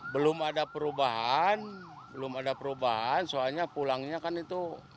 belum ada perubahan belum ada perubahan soalnya pulangnya kan itu